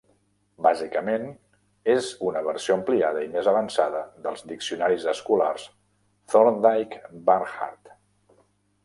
Bàsicament és una versió ampliada i més avançada dels diccionaris escolars Thorndike-Barnhart.